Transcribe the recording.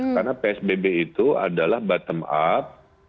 karena psbb itu adalah bottom up